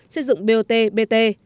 xây dựng bot bt